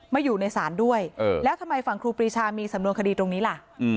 อยู่ในศาลด้วยแล้วทำไมฝั่งครูปรีชามีสำนวนคดีตรงนี้ล่ะ